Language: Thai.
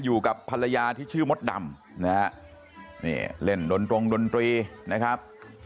อยู่กับภรรยาที่ชื่อมดดำนะฮะนี่เล่นดนตรงดนตรีนะครับ